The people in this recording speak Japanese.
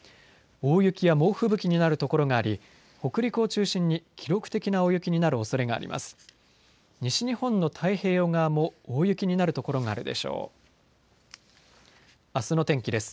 大雪や猛吹雪になる所があり北陸を中心に記録的な大雪になるおそれがあります。